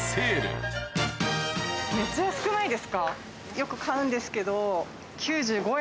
よく買うんですけど。